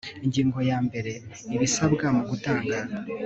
Ingingo ya mbere Ibisabwa mu gutanga